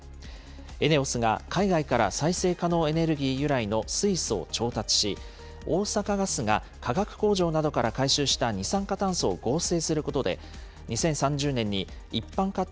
ＥＮＥＯＳが海外から再生可能エネルギー由来の水素を調達し、大阪ガスが化学工場などから回収した二酸化炭素を合成することで、２０３０年に一般家庭